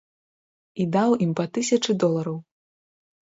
І даў ім па тысячы долараў.